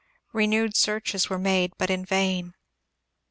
Renewed searches were made, but in vain.